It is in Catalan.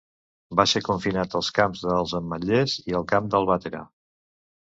Va ser confinat als camps dels Ametllers i al camp d'Albatera.